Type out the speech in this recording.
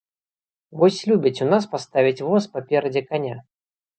Вось любяць у нас паставіць воз паперадзе каня!